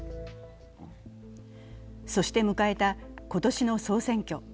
そして迎えた今年の総選挙。